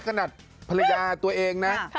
ขนาดภรรยาตัวเองนะ